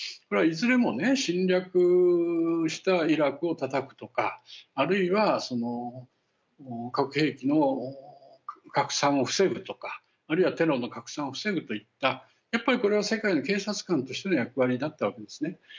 これは、いずれも侵略したイラクをたたくとかあるいは核兵器の拡散を防ぐとかあるいはテロの拡散を防ぐといったやっぱり、これは世界の警察官としての役割だったわけですね。